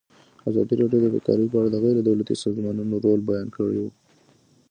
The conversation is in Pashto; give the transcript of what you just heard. ازادي راډیو د بیکاري په اړه د غیر دولتي سازمانونو رول بیان کړی.